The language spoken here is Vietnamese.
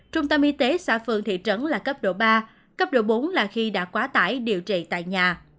trung tâm y tế xã phường thị trấn là cấp độ ba cấp độ bốn là khi đã quá tải điều trị tại nhà